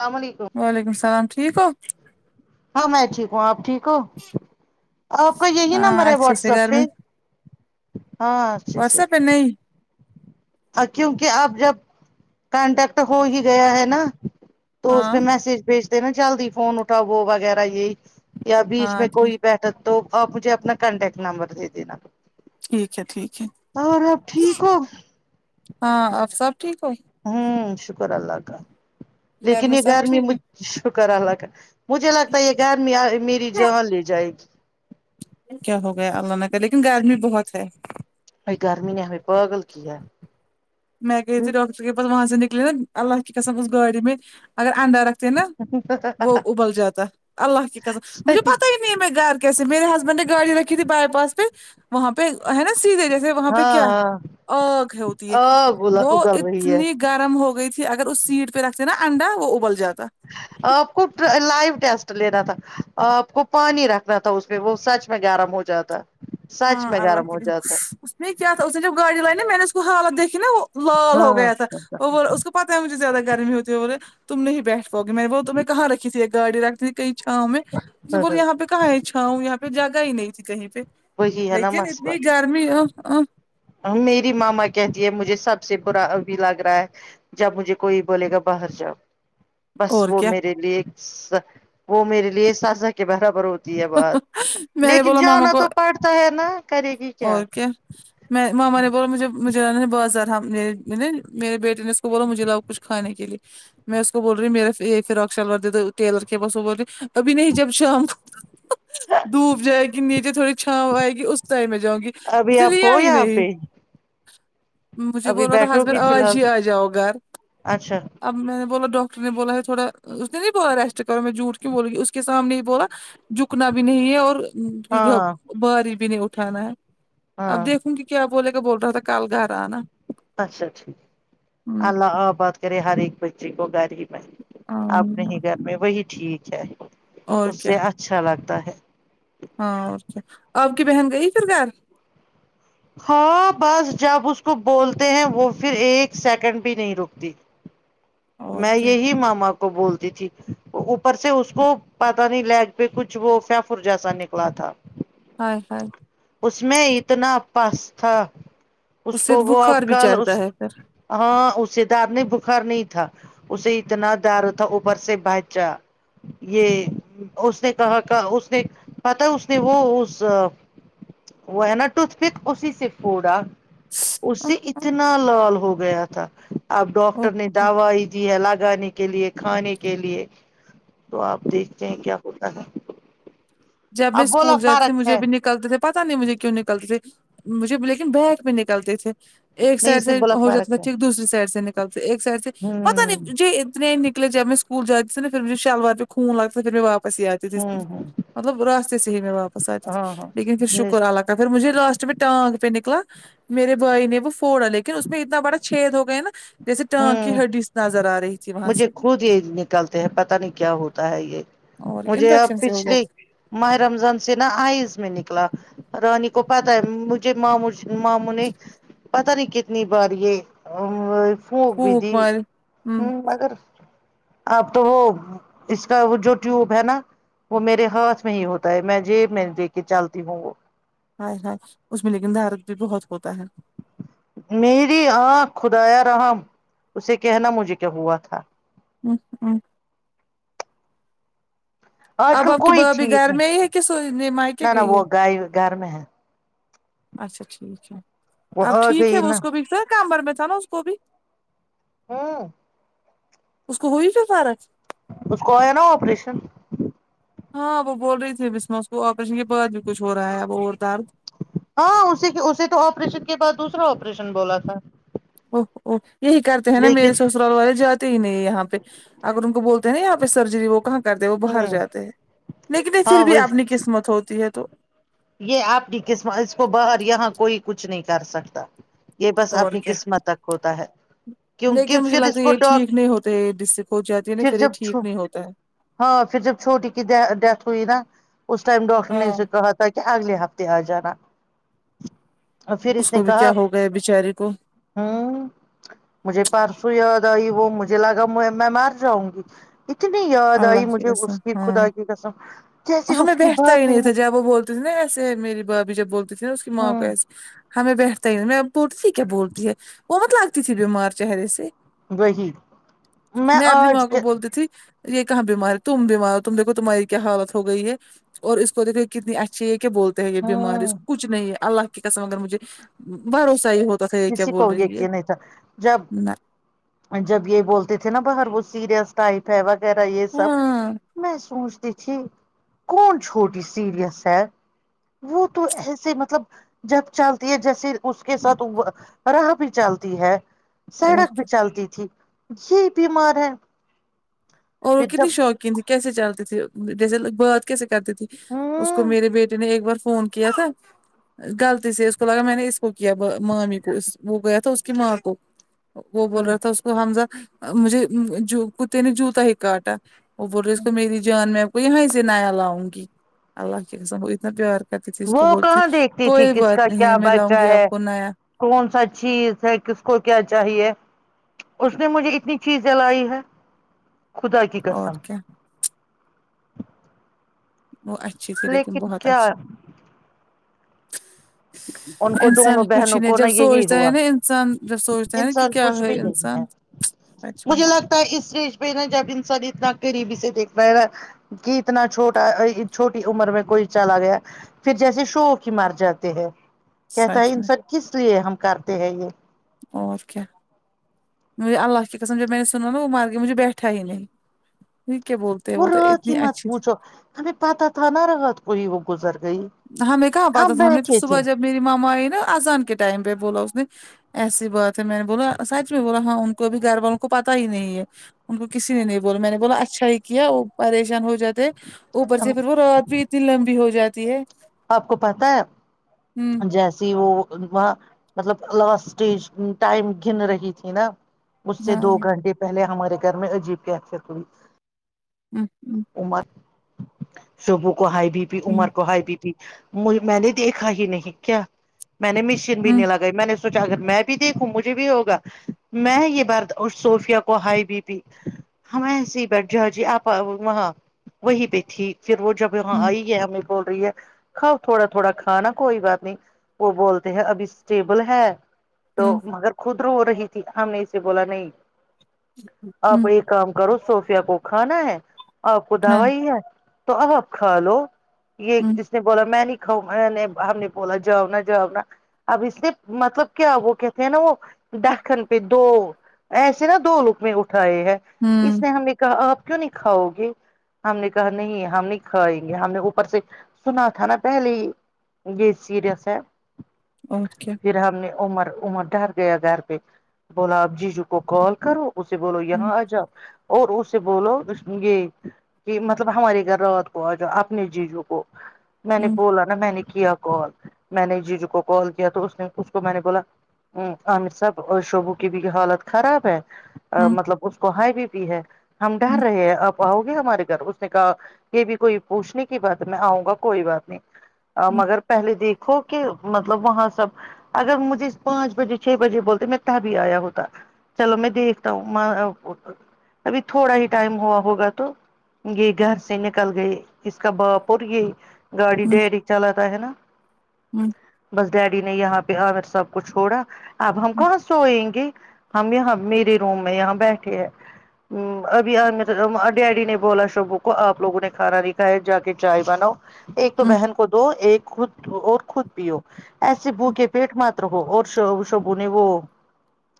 السلام وعلیکم وعلیکم السلام ٹھیک کو ہاں میں ٹھیک ہوں آپ ٹھیک ہو آپ کا یہی نمبر ہاں ہے اچھے واٹس سے ایپ گھر پہ ہاں اچھے واٹس سے ایپ پہ نہیں کیونکہ اب جب کانٹیکٹ ہو ہی گیا ہے نا تو اس ہاں پہ میسج بھیج دینا جلدی فون اٹھاو وغیرہ یہی یا بیچ ہاں میں ٹھیک کوئی بیٹھا تو آپ مجھے اپنا کانٹیکٹ نمبر دے دینا ٹھیک ہے ٹھیک ہے اور آپ ٹھیک ہو ہاں اپ سب ٹھیک ہو ہوں شکر اللہ کا گھر لیکن میں یہ سب گرمی ٹھیک ہے مجھ شکراللہ کا مجھے لگتا ہے یہ گرمیاں میری جان لے جائے گی کیا ہو گیا اللہ نے کہ لیکن گرمی بہت ہے بائی گرمی نے ہمیں پاگل کیا ہے میں گیے تھی ڈاکٹر کے پاس وہاں سے نکلے نا اللہ کی کسم اس گاڑی میں اگر انڈا رک تھ نا وہ ابل جاتا اللہ کی کسم مجھے صحیح پتا ہی نہیں نہیں میں گھر کیسے میرے ہسبینڈ نے گاڑی رکھی تھی بائی پاس پہ وہاں پہ ہے نا سیدھے جیسے وہاں پہ ہاں کیا ہاں آگ ہوتی ہے آگ وہ ابل رہی ہے اتنی گرم ہو گئی تھی اگر اس سیٹ پہ رکھتے نا انڈا وہ ابل جاتا آپ کو لائیو ٹیسٹ لینا تھا آپ کو پانی رکھنا تھا اس میں وہ سچ میں گرم ہو جاتا سچ ہاں میں اللہ گرم کی ہو قسم جاتا اس نے کیا تھا اس نے جب گاڑی لائی نا میں نے اس کو حالت دیکھی نا وہ لال ہو ہاں گیا تھا وہ اس کو پتاہ ہےجھے زیادہ گرمی ہوتی ہے بولے تم نہیں ب بیٹھاؤ گے میں نے بول تمہیں کہاں رکھی تھی گای رکھتی تھی کئی چھاؤوں میں ب یہاں پہ کہاں ہے چھاؤوں یہاں پہ جگہ ہی نہیں تھی کہیں پہ وہی ہے نا لیکن اتنی مسئلہ گرمی ا ا میری ماما کہتی ہے مجھے سب سے برا بھی لگ رہا ہے جب مجھے کوئی بولے گا باہر جاؤ بس اور وہ کیا میرے لیے وہ میرے لیے سازہ کے برابر ہوت بات میں نے لیکن بولا ماما جانا کو تو پڑتا ہے نا کرے گی اور کیا میں ماما نے بولا مجھے مجھے لگ نے بہت زادہ رہا میرے بیٹے نے اس کو بولا مجھے لاؤ کچھ کھانے کے لیے میں اس کو بول رہی ہ میرے یہ فراک شلوار دے دو ٹیلر کے پاس وہ بول رہی ابھی نہیں جب شام ڈوب جائے گی نیچے تھوڑی چھاوں آئے گی اس ٹائم میں جؤں گی ابھی اسنے آپ لیا ہو ہی یہاں نہیں پہ مجھے ابھی بول رہا تو بیٹھو ہسبینڈ گی فی آج الحال ہی آ جاؤ گھر اچھا اب میں نے بولا ڈاکٹر نے بولا ہے تھوڑا اس نے نہیں بولا ریسٹ کرو میں جھوٹ کیوں بولوں گی اس کے سامنے ہی بولا جھکنا بھی نہیں ہے اور ہاں بھاری بھی نہیں اٹھانا ہے اب ہاں دیکھوں گی کیا بولے گا بول رہا تھا کل گهر انا اچھا ٹھیک ہوں اللہ آ باد کرے ہر ایک بچی گو گھر ہی میں اپنے آمین ہی گھر میں وہی ٹھیک ہے اور اس کیا سے اچھا لگتا ہے ہاں اور کیا آپ کی بہن گئی پھر گھر ہاں بس جب اس کو بولتے ہیں وہ پھر ایک سیکنڈ بھی نہیں رکتی اور میں کیا یہی ماما کو بولتی تھی اوپر سے اس کو پتا نہیں لیگ پہ کچھ وہ فیفر جیسا نکلا تھا آے ہائے اس میں اتنا پس تھا اس سے کو وہ اب بخار بھی کل اس چڑھتا ہے ہاں اسے درد می بخار نہیں تھا اسے اتنا درد تھا اوپر سے بچا یہ اس نے کہا کہ اس نے پتا اس نے وہ اس وہ ہے نا ٹوتھ پک اسی سے پھوڑا اس سے پھر اتنا لال ہو گیا تھا اب ڈاکٹر نے دوائی دی ہے لگانے کے لیے کھانے کے لیے تو آپ دیکھتے ہیں کیا ہوتا ہے جب میں اب بولا اسکول جاتی تھی فارق مجھے بھی نکلتے تھے پتا نہیں مجھے کیوں نکلتے تھے مجھے لیکن بیک پہ نکلتے تھے ایک نہیں سائڈ اس نے سے بولا ہو جاتا فارق ہے تھاٹھیک دوسری سائڈ سے نکلتے ایک سائڈ سے پتا ہوں نہیں مجھے اتنے نکلے جب میں اسکول جاتی شلوار پے خون لگتا تھا پھر میں واپس ہی آ گیا ہوں ہوں مطلب راستے سے ہی میں واپس آتے تھی لیکن پھر شکر ہاں اللہ کا پھر مجھے لاسٹ میں ٹانگ پہ نکلا میرے بھائی نے وہ پوڑا لیکن اس میں اتنا بڑا چھید ہو گئے نا جیسے ٹانگ ہوں کی ہڈی نظر آ رہی تھی وہاں مجھے سے خود یہ نکالتے ہیں پتا نہیں کیا ہوتا ہے یہ اور مجھے اب انفیکشن سے ہو گیا پچھلیے ماہ رمضان سے نا آئس میں نکلا رانی کو پتاہ ہے مجھے ماموں ماموں نے پتا نہیں کتنی بار یہ ا سوک بھی تھی پھوک مار ہوں ہ مگر آپ تو وہ اس کا وہ جو ٹیوب ہے نا وہ میرے ہاتھ میں ہی ہوتا ہے میں جیب میں لے کے چلتی ہوں وہ ہ ہ اس میں لیکن درد بھی بہت ہوتا ہے میری آنکھ خدایا رحم اسے کہنا مجھے کیا ہوا تھا ہوں ہوں آج اب کل آپ کی کوئی بھابھی ٹھیک گھر نہیں میںئی ہے کہ سونے مائ کے نہ نہ گئی ہے وہ گائے گھر میں ہے اچھا ٹھیک ہے وہ اب آ ٹھیک ہے گئی وہ نا اس کو بگتار کمر میں تھا نا اس کو بھی ہاں اس کو ہوئی پھر فرق اس کو آیا نا آپریشن ہاں وہ بول رہی تھی بیچ مے اسکو آپریشن کے بعد بھی کچھ ہو رہا ہے اب اور درد ہاں اس کے اسے تو آپریشن کے بعد دوسرا آپریشن بولا تھا ا یہی کرتے ہیں نا میرے لیکن سو والے جاتے ہی نہیں یہاں پہ اگر ان کو بولتے ہیں نا یہاں پہ سرجری وہ کہاں کرتے وہ باہر ہوں جاتے ہیں لیکن ہاں پھر بھی وہی اپنی قسمت ہوتی ہے تو یہ آپ کی قسمت اس کو باہر یہاں کوئی کچھ نہیں کر سکتا یہ بس اور اپنی کیا قسمت تک ہوتا ہے کیونکہ لیکن مجھے پھر اس لگتا ہے کو یہ ڈاک ٹھیک نہیں ہوتے یہ ڈس سے کھ جاتی ہے نہ پھر یہ ٹھیک نہیں ہوتا ہے ہاں پھر جب چھوٹی کی دے ڈیتھ ہوئی نا اس ٹائم ڈاکٹر نے ہاں اسے کہا تھا کیا اگلے ہفتے آ جانا اور پھر اس نے کو بھی کہا کیا ہو گیا بچاری کو ہاں مجھے پرسو یاد آئی وہ مجھے لگا میں مار جاؤں گی اتنی یاد آئی اللہ مجھے قسم اس کی خدا ہاں کی قسم کیسی اس کی بات ہے نا تھ نا ایسے میری بھابھی جب بولتی تھی نا اس کی ماں کو ہوں ایسے ہمیں بیٹھتا ہی نہیں میں اب بولتی تھی کیا بولتی ہے وہ مت لگتی تھی بیمار چہرے سے وہی میں اپنی ماں کو بولتی تھی یہ کہاں بیمار ہے تم بیمار ہو تم دیکو تمہاری کیا حالت ہوگئی ہے اور اس کو دیکھو یہ کتنی اک اچ یہ کیا بولتے ہیں یہ بیمار ہے اس ہوں کو کچھ نہیں ہے اللہ کی قسم اگر مجھے بھروسہ ہی ہو کسی کو یقین نہیں تھا جب نہ جب یہ بولتے تھے نا باہر وہ سیریس ٹائپ ہے وغیرہ یہ سب ہاں میں سوچتی جھ کون چھوٹی سیریس ہے وہ تو ایسے مطلب جب چلتی ہے جیسے اس کے ساتھ راہ بھی چلتی ہے اور سڑک کیا بھی چلتی تھی یہ بیمار ہے اورو پھر کتنی جب شوقین تھی کیسے چلتی تھی جیسے بات کیسے کرتی تھی اس کو میرے بیٹے نے ایک بار فون کیا تھا ہاں غلطی سے اس کو لگا میں نے اس کو کیا مامی کو وہ گیا تھا اس کی ماں کو وہ بول رہا تھا اس کو حمزہ مجھے کتے نے جوتا ہی کاٹا وہ بولو اس کو میری جان میں آپ کو یہیں سے نیا لاؤں گی اللہ کے وہ اتنا پیار کرتی تھیز تو وہ بولتی کہاں دیکھتی تھی کوئی کس کا بات نہیں کیا ہے میں بچہ لاؤں گی ہے آپ کو نایا کون سا چیز ہے کس کو کیا چاہیے اس نے مجھے اتنی چیز جلائی ہے خدا کی اور قسم کیا وہ اچھے سےھی لیکن بہت اچھھی ان کو انسان دونوں کچھ ہی بہنوں نہیں کو جب نا یہی سوچتا ہے ہوا نا انسان جب سوچتا ہے نا کہ انسان کیا کچھ بھی ہے نہیں انسان ہے اچھا مجھے لگتا ہے اس اسٹیج پہ نا جب انسان اتنا قریبی سے دیکھ پا نا کہ اتنا چھوٹا چھوٹی عمر میں کوئی چلا گیا پھر جیسے شو کی مار جاتے ہیں کہتا ہے سچ میں انسب کس لیے ہم کرتے ہیں یہ اور کیا مے اللہ کے قسم جوب میں نے سنا نا وہ مار گیا مجھے بیٹھا ہی نہیں ھی کیا بولتے ہیں وہ تو اتنی اچھی تھی ابھی پاتہ تھا نہ رہا کوئی وہ گزر گئی ہمیں کہاں پتاہ تھا ہم نے پھر بیٹھے تھے صبح جب میری ماما آئی نا اذان کے ٹائم پہ بولا اس نے ایسی بات ہے میں نے بولا سچ میں بولا ہاں ان کو بھیب گھر والوں کو پتا ہی نہیں ہے ان کو کسی نے نہیں بولا میں نے بولا اچھا ہی کیا وہ پریشان ہو جاتا اوپر سے ہم پھر وہ رات بھی اتنی لمبی ہو جاتی ہے آپ کو پتا ہے ہوں جیسی وہ وہ مطلب لاسٹٹیج ٹائم گن رہی تھی نا اس سے ہاں دو گھنٹے پہلے ہمارے گھر میں عجیب کی اثت ہوئی ہوں ہوں امر سبو کو ہائی بی پی ہوں عمر کو ہائی بی پی میں نے دیکھا ہی نہیں کیا میں نے مشین بھینے لگا گ میں نے سوچا اگر میں بھی دیکھوں مجے بھی ہوا میں یہ برد اور صوفیا کو ہائی بی پی ہم ایس ہی بیٹھ جا جی آپ وہاں وہیں پہ تھی پھر وہ جب یہاں ہوں ہوں آئی ہے ہمیں بول رہی ہے کھاؤ تھوڑا تھوڑا کھانا کوئی بات نہیں وہ بولتے ہیں ابھی اسٹیبل ہے تو ہوں مگر خود رو رہی تھی ہم نے اسے بولا نہیں آپ ہوں ایک کام کرو صوفیا کو کھانا ہے آپ کو ہاں دوا ہی ہے تو اب آپ کھا لو یہ اس ہوں اس نے بولا میں نہیں کاؤ میں نے ہم نے بولا جاؤنا جاؤنا اب اس نے مطلب کیا وہ کہتے ہیں نا وہ دہ کن پہ دو ایسے نا دو لوک میں اٹھائے ہیں اس ہوں نے ہم نے کہ آپ کیوں نہیں کھاؤ گے ہم نے کہا نہیں ہم نہیں کھائیں گے ہم نے اوپر سے سنا تھا نا پہلے ہی گی سییرس ہے اوکے پھر ہم نے عمر عمر ڈر گیا گھر پہ بولا اب جی جو کو کال کرو اس سے بولو یہ ہوں ہاں آ ج آپ اور اسے بولو اس یہ کہ مطلب ہمارے گھر رات کو آ جاؤ اپنے جیجو کو میں نے ہوں بولا نا میں نے کیا کال میں نے جیجو کو کال کیا تو اس نے اسکو میں نے بولا ام امیر صاحب شعبو کی بھی حالت خراب ہے ہوں مطلب اس کو ہائی بی پی ہے ہم ڈر رہے ہیں اب آؤ گے ہمارے گھر اس نے کہا یہ بھی کوئی پوچھنے کی بات میں آؤں گا کوئی بات نہیں ا ہاں مگر پہلے دیکھو کہ مطلب وہاں سب اگر مجھے پانچ بجے چھ بجے بولتے میں تب بھی آیا ہوتا چلو میں دیکھتا ہوں ما ا ا ابھی تھوڑا ہی ٹائم ہوا ہوگا تو یہ گھر سے نکل گئے اس کا باپ اور یہ گاڑی ڈائریک چلاتا ہے نا بس ڈیڈی نے یہاں پہ آکر سب کو چھوڑا اب ہم کہاں سوئیں گے ہم یہاں میرے روم میں یہاں بیٹھے ہیں ہم ابھی آ ڈیڈی نے بولا شبوں کو آپ لوگوں نے کھانا نہیں کھایا جا کے چائے بناؤ ایک تو بہن کو دو ایک خود اور خود پیو ایسے بھو کے پیٹ مت رہو اور شو شبو نے وہ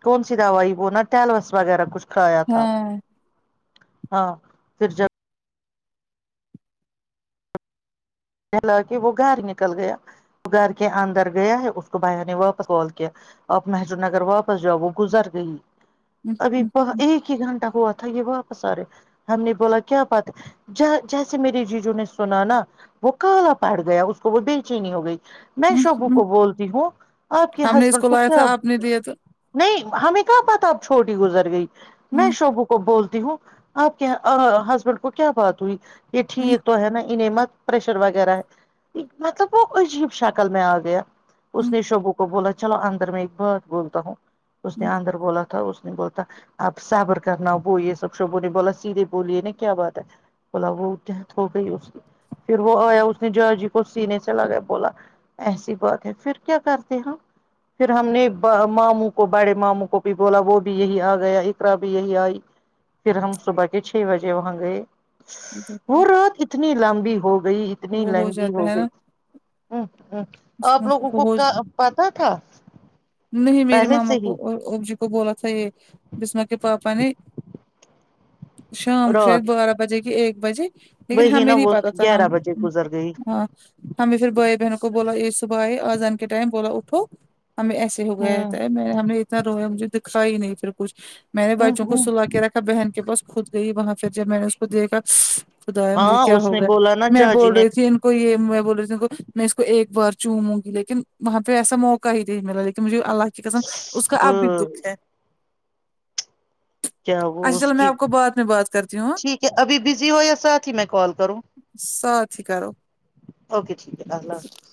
کونسی دوائی وہ نہ ٹلوس وغیرہ کچھ کھایا تھا ہاں پھر جب کہلا کے وہ گھر نکل گیا گھر کے اندر گیا ہے اس کو بھائی نے واپس کال کیا آپ محج نگر واپس جاؤ وہ گزر گئی ابھی ایک ہی گھنٹہ ہوا تھا یہ واپس آ رہے ہم نے بولا کیا بات ہے جیسے میری جیجو نے سنا نا وہ کالا پڑ گیا اس کو وہ بےچینی ہو گئی میں شبو کو بولتی ہوں آپ کے ہم نے اس ہسبینڈ کو لایا کیا تھا آپ نے لیا تو نہیں ہمیں کیا پتہ اب چھوٹی گزر گئی میں شوبو کو بول تی ہوں آپ کے ہسبینڈ کو کیا بات ہوئی یہ ٹھیک تو ہے نا انے مت پریشر وغیرہ ہے مطلب وہ عجیب شکل میں آ گیا اس نے شبو کو بولا چلو اندر میں ایک بات بولتا ہوں اس نے اندر بولا تھا اس نے بولتا اپ صابر کرنا وہ یہ سب شبوں نے بولا سیدھے بولیے نا کیا بات ہے بولا وہ ڈیتھ ہو گئی اس کی پھر وہ آیا اس نے جہجی کو سینے سے لگیا بولا ایسی بات ہے پھر کیا کرتے ہیں پھر ہم نے ب ماموں کو بڑے ماموں کو بھی بولا وہ بھی یہی آ گیا اقرا بھی یہی آئی پھر ہم صبح کے چھ بجے وہاں گئے وہ رات اتنی لمبی ہو گئی اتنی وہ لہنگی ہو جاتا ہے گئی نا ہم ہم آپ لوگوں وہ کو ہو پتا تھا نہیں میری پہلے سے ماما کو ہی اور اب جی کو بولا تھا یہ بسما کے پاپا نے شام شید رات بارہ بجے کے ایک بجے لیکن وہی ہمیں نا نہیں وہ پتا تھا گیارہ ہم بجے گزر گئی ہاں ہمیں پھر بھائی بہنوں کو بولا یہ صبح ہے آزان کے ٹائم بولا اٹھو ہمیں ایسے ہو گیا ہوں تھا میں ہم نے اتنا رویا مجھے دکھا ہی نہیں پھر کچھ میں نے ہ بچوں کو ہ سلا کے رکھ بہن کے پاس خد گئی وہاں پھر جب میں نے اس کو دیکھا س خدایا مجھے ہاں کیا اس نے ہوگا بولا نا میں جا جی بول نے رہی تھی ان کو یہ بول رہی تھی ان میں ایک بار چوموں گی لیکن وہاں پہ ایسا موقع ہی نہیں ملا لیکن مجھے اللہ کی قسم اس کا اب بھی دکھ کیا ہے کیا وہ اچھا اس چلو میں کی آپ کو بعد میں بات کرتی ہوں ہاں؟ ٹھیک ہے ابھی بزی ہو یا ساتھ ہی میں کال کروں ساتھی کرو اوکے ٹھیک ہے اللہ حافظ